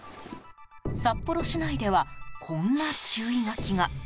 札幌市内ではこんな注意書きが。